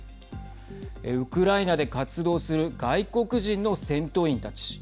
ウクライナで活動する外国人の戦闘員たち。